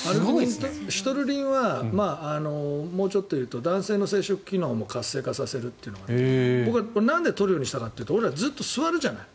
シトルリンはもうちょっというと男性の生殖機能も活性化させるというのがあって僕はなんで取るようにしたかというとずっと座るじゃない。